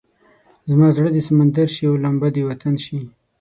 زما زړه دې سمندر شي او لمبه دې وطن شي.